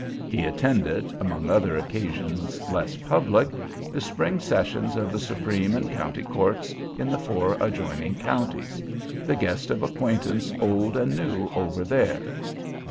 He attended, among other occasions less public, the spring sessions of the supreme and county courts in the four adjoining counties: the guest of acquaintance old and new over there.